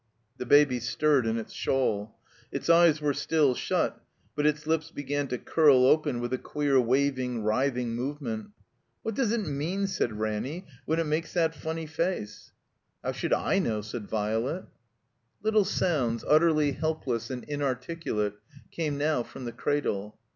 The Baby stirred in its shawl. Its eyes were still shut, but its lips began to curl open with a queer waving, writhing movement. "What does it mean," said Ranny, "when it. makes that funny face?" IS3 THE COMBINED MAZE ''How should I know?" said Violet. Little sounds, utterly helpless and inarticulate, came now from the cradle.